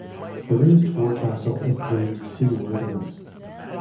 The raised forecastle improved seaworthiness.